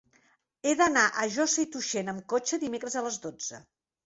He d'anar a Josa i Tuixén amb cotxe dimecres a les dotze.